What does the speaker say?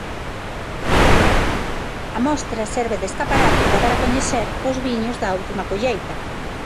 A mostra serve de escaparate para dar a coñecer os viños da última colleita.